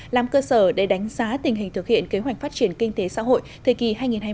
làm cơ sở để đánh giá tình hình thực hiện kế hoạch phát triển kinh tế xã hội thời kỳ hai nghìn một mươi một hai nghìn hai mươi